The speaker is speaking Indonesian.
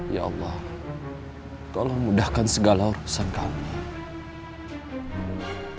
ya allah tolong mudahkan segala urusan kami